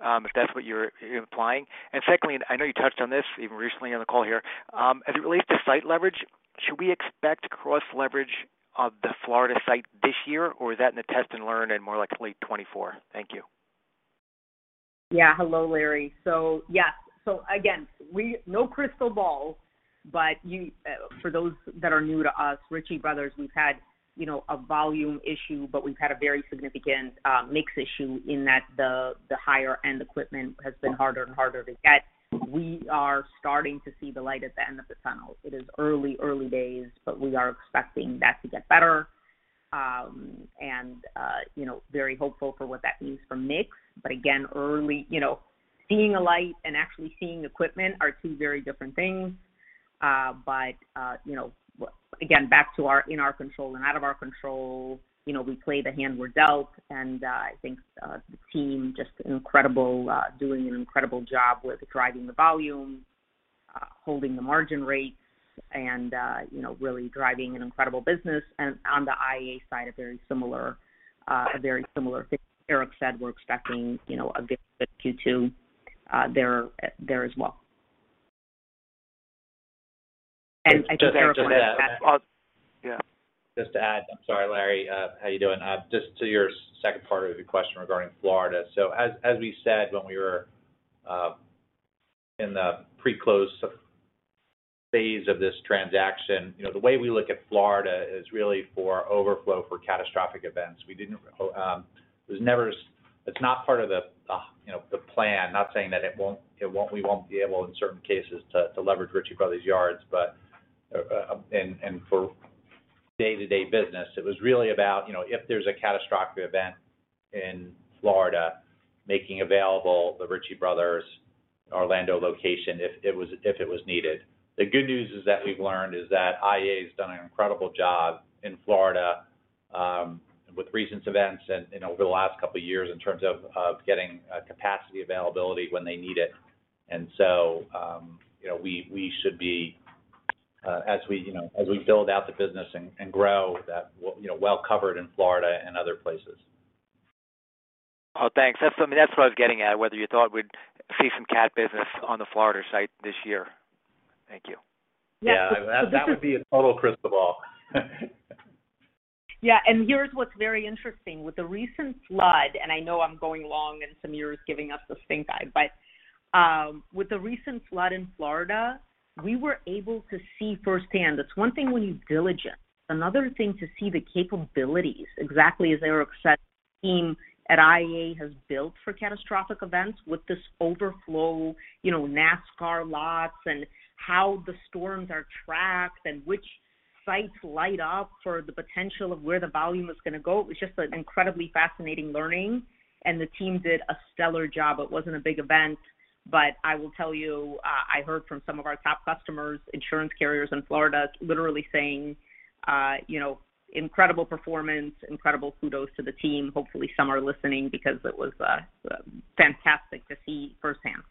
if that's what you're implying. Secondly, and I know you touched on this even recently on the call here. As it relates to site leverage, should we expect cross leverage of the Florida site this year, or is that in the test and learn and more like late 2024? Thank you. Hello, Larry. Again, no crystal ball, you, for those that are new to us, Ritchie Bros., we've had, you know, a volume issue, but we've had a very significant mix issue in that the higher end equipment has been harder and harder to get. We are starting to see the light at the end of the tunnel. It is early days, but we are expecting that to get better. You know, very hopeful for what that means for mix, but again early, you know, seeing a light and actually seeing equipment are two very different things. You know, again, back to our in our control and out of our control, you know, we play the hand we're dealt, and I think the team just incredible, doing an incredible job with driving the volume, holding the margin rates and, you know, really driving an incredible business and on the IAA side, a very similar, a very similar thing. Eric said we're expecting, you know, a good Q2 there as well. And just to add- Yeah. Just to add. I'm sorry, Larry. How you doing? Just to your second part of your question regarding Florida. As we said when we were in the pre-close phase of this transaction, you know, the way we look at Florida is really for overflow for catastrophic events. It's not part of the, you know, the plan. Not saying that we won't be able, in certain cases, to leverage Ritchie Bros. yards, but for day-to-day business, it was really about, you know, if there's a catastrophic event in Florida, making available the Ritchie Bros. Orlando location, if it was needed. The good news is that we've learned is that IA has done an incredible job in Florida, with recent events and over the last couple of years in terms of getting capacity availability when they need it. You know, we should be, as we, you know, as we build out the business and grow that you know, well-covered in Florida and other places. Oh, thanks. That's what I was getting at, whether you thought we'd see some cat business on the Florida site this year. Thank you. Yeah. Yeah, that would be a total crystal ball. Yeah. Here's what's very interesting. With the recent flood, I know I'm going long, and Sameer is giving us the stink eye. With the recent flood in Florida, we were able to see firsthand. It's one thing when you diligence, another thing to see the capabilities exactly as Eric said, team at IAA has built for catastrophic events with this overflow, you know, NASCAR lots and how the storms are tracked and which sites light up for the potential of where the volume is going to go. It was just an incredibly fascinating learning, and the team did a stellar job. It wasn't a big event, but I will tell you, I heard from some of our top customers, insurance carriers in Florida literally saying, you know, incredible performance, incredible kudos to the team. Hopefully, some are listening because it was fantastic to see firsthand.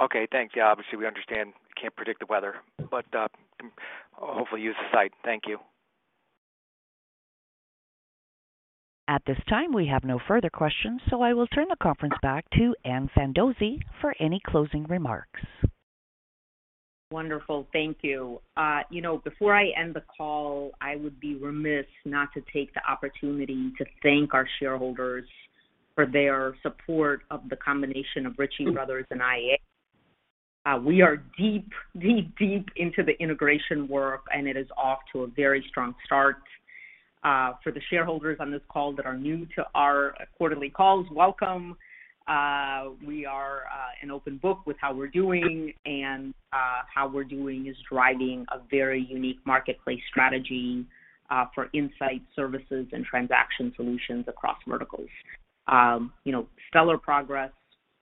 Okay, thanks. Yeah. Obviously, we understand can't predict the weather, but, hopefully, use the site. Thank you. At this time, we have no further questions. I will turn the conference back to Ann Fandozzi for any closing remarks. Wonderful. Thank you. you know, before I end the call, I would be remiss not to take the opportunity to thank our shareholders for their support of the combination of Ritchie Bros. and IAA. we are deep, deep, deep into the integration work, and it is off to a very strong start. for the shareholders on this call that are new to our quarterly calls, welcome. we are an open book with how we're doing, and how we're doing is driving a very unique marketplace strategy for insight services and transaction solutions across verticals. you know, stellar progress,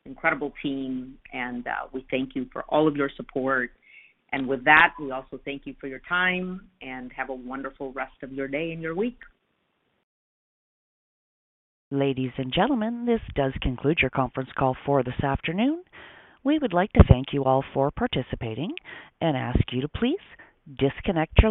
incredible team, and we thank you for all of your support. With that, we also thank you for your time, and have a wonderful rest of your day and your week. Ladies and gentlemen, this does conclude your conference call for this afternoon. We would like to thank you all for participating and ask you to please disconnect your lines.